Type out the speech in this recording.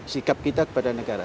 sikap kita kepada negara